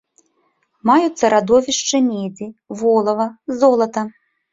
Маюцца радовішчы медзі, волава, золата.